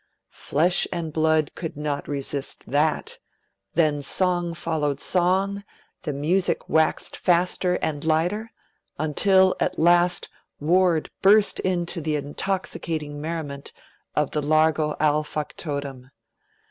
Flesh and blood could not resist that; then song followed song, the music waxed faster and lighter, until, at last Ward burst into the intoxicating merriment of the Largo al Factotum.